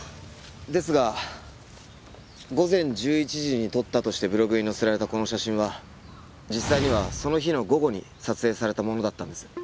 ですが午前１１時に撮ったとしてブログに載せられたこの写真は実際にはその日の午後に撮影されたものだったんです。